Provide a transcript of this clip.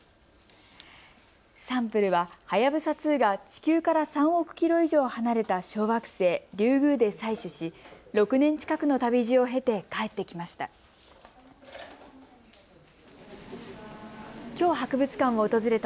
サンプルは、はやぶさ２が地球から３億キロ以上離れた小惑星、リュウグウで採取し、６年近くの旅路を経て帰ってきました。